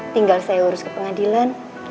tinggal saya urus ke pengadilan